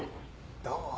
どうも。